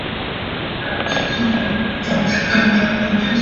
The place was, at times, in a state of near collapse.